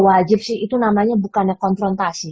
wajib sih itu namanya bukannya konfrontasi